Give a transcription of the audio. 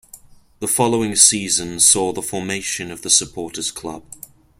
The following season saw the formation of the supporters' club.